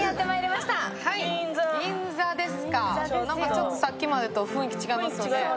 ちょっとさっきまでと雰囲気違いますね